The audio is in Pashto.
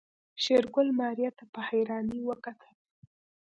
شېرګل ماريا ته په حيرانۍ وکتل.